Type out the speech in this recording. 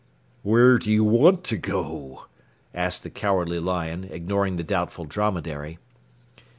"Where do you want to go?" asked the Cowardly Lion, ignoring the Doubtful Dromedary.